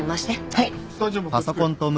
はい。